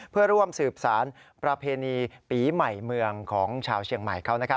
เพื่อร่วมสืบสารประเพณีปีใหม่เมืองของชาวเชียงใหม่เขา